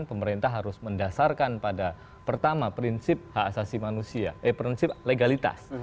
pemerintah harus mendasarkan pada pertama prinsip legalitas